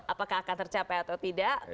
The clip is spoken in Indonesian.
apakah akan tercapai atau tidak